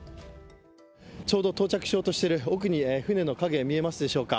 ちょうど到着しようとしている奥に、船の影見えますでしょうか。